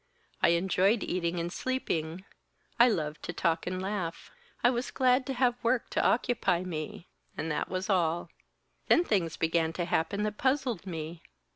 I enjoyed eating and sleeping; I loved to talk and laugh; I was glad to have work to occupy me and that was all! Then things began to happen that puzzled me.